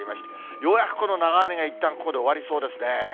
ようやくこの長雨がいったんここで終わりそうですね。